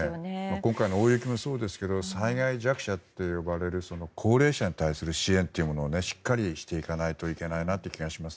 今回の大雪もそうですけど災害弱者と呼ばれる高齢者に対する支援というのをしっかりとしていかないといけないと思います。